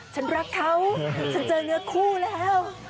ฉันรักเขาฉันเจอเนื้อคู่แล้ว